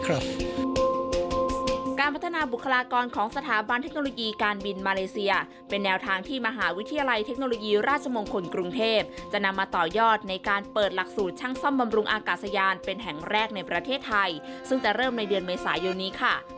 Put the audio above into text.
การพัฒนาบุคลากรของสถาบันเทคโนโลยีการบินมาเลเซียเป็นแนวทางที่มหาวิทยาลัยเทคโนโลยีราชมงคลกรุงเทพจะนำมาต่อยอดในการเปิดหลักสูตรช่างซ่อมบำรุงอากาศยานเป็นแห่งแรกในประเทศไทยซึ่งจะเริ่มในเดือนเมษายนนี้ค่ะ